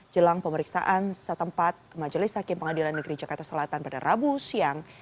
jelang pemeriksaan setempat majelis hakim pengadilan negeri jakarta selatan pada rabu siang